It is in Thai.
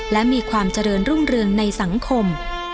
และมีความเจริญรุ่งเรืองในสังคม